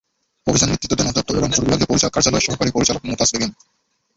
অভিযানে নেতৃত্ব দেন অধিদপ্তরের রংপুর বিভাগীয় কার্যালয়ের সহকারী পরিচালক মমতাজ বেগম।